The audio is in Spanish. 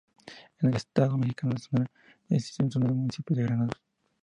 En el estado mexicano de Sonora, existe en su honor el Municipio de Granados.